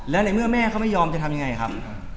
และในเมื่อแม่เขาไม่ยอมจะทำยังไงครับ